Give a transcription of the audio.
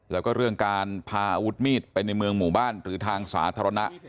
แล้วก็เรื่องการพาอาวุธมีดไปในเมืองหมู่บ้านหรือทางสาธารณะ